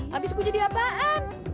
habis gue jadi apaan